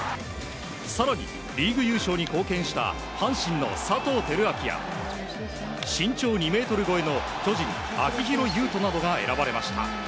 更に、リーグ優勝に貢献した阪神の佐藤輝明や身長２ｍ超えの巨人秋広優人などが選ばれました。